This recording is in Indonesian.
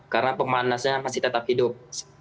karena pemanasnya masih tetap hidup